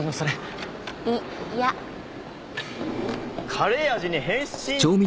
カレー味に変身っと。